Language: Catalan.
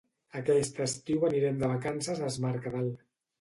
Aquest estiu anirem de vacances a Es Mercadal.